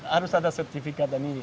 harus ada sertifikat dan ini